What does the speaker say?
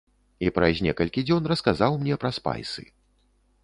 І праз некалькі дзён расказаў мне пра спайсы.